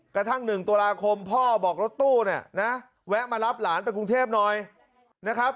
กระทั่ง๑ตุลาคมพ่อบอกรถตู้เนี่ยนะแวะมารับหลานไปกรุงเทพหน่อยนะครับ